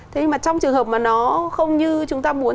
trong trường hợp mà nó không như chúng ta muốn